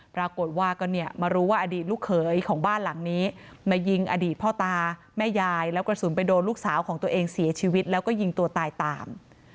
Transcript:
ปรากฏว่าก็เนี่ยมารู้ว่าอดีตลูกเขยของบ้านหลังนี้มายิงอดีตพ่อตาแม่ยายแล้วกระสุนไปโดนลูกสาวของตัวเองเสียชีวิตแล้วก็ยิงตัวตายตาม